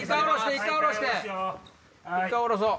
１回下ろそう。